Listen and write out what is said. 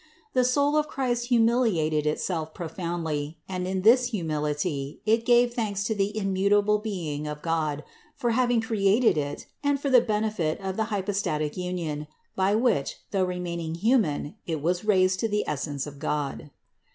The soul of Christ humiliated it self profoundly, and in this humility it gave thanks to the immutable being of God for having created it and for the benefit of the hypostatic union, by which, though remaining human, it was raised to the essence of God.